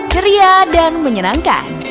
ceria dan menyenangkan